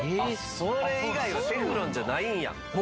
それ以外はテフロンじゃないんや。